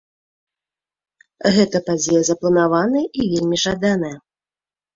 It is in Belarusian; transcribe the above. Гэтая падзея запланаваная і вельмі жаданая.